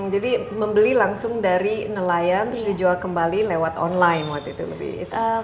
jadi membeli langsung dari nelayan terus dijual kembali lewat online waktu itu